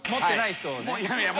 いやいや。